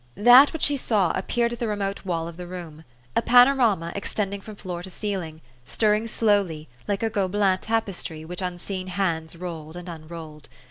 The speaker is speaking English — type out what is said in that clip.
That which she saw appeared at the remote wall of the room, a panorama extending from floor to ceiling, stirring slowly, like Gobelin tapestry which unseen hands rolled and unrolled.